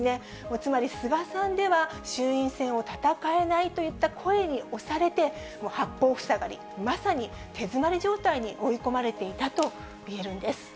つまり、菅さんでは衆院選を戦えないといった声に押されて、八方ふさがり、まさに手詰まり状態に追い込まれていたと言えるんです。